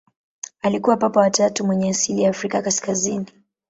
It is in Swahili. Alikuwa Papa wa tatu mwenye asili ya Afrika kaskazini.